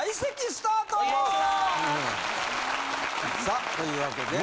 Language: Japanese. さあというわけで。